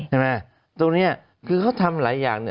ตรงนี้คือเขาทำหลายอย่าง